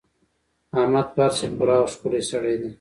احمد په هر څه پوره او ښکلی سړی دی.